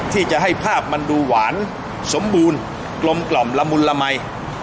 ที่จะให้ภาพมันดูหวานสมบูรณ์กลมกล่อมละมุนละมัย